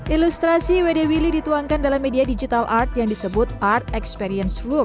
ilustrasi wd willy dituangkan dalam media digital art yang disebut art experience room